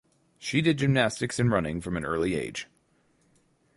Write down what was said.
She did gymnastics and running from an early age.